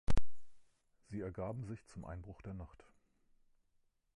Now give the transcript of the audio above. Sie ergaben sich zum Einbruch der Nacht.